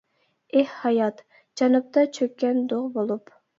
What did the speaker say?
ئېھ ھايات جەنۇبتا چۆككەن دۇغ بولۇپ.